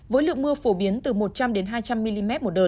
với lượng mưa phổ biến từ một trăm linh hai trăm linh mm một đợt